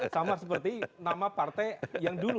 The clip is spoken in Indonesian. sama seperti nama partai yang dulu